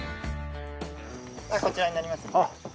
こちらになります。